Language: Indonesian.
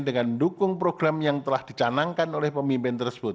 dengan mendukung program yang berkaitan dengan kemampuan dan kemampuan yang diperlukan oleh asn